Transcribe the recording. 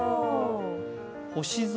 星空